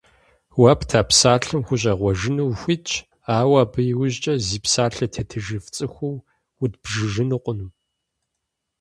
Уэ пта псалъэм ухущӀегъуэжыну ухуитщ, ауэ абы и ужькӀэ зи псалъэ тетыжыф цӀыхуу удбжыжынукъым.